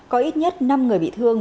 có ít nhất năm người bị thương